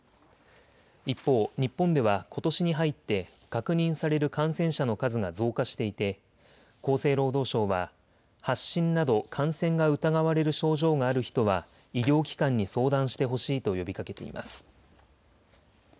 一方、日本ではことしに入って確認される感染者の数が増加していて厚生労働省は発疹など感染が疑われる症状がある人は医療機関に相談してほしいと呼びかけています。